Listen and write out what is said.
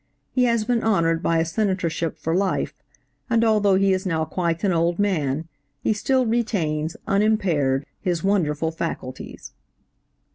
He has been honored by a Senatorship for life, and although he is now quite an old man, he still retains unimpaired his wonderful faculties.